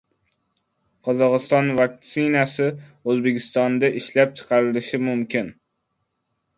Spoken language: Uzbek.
Qozog‘iston vaktsinasi O‘zbekistonda ishlab chiqarilishi mumkin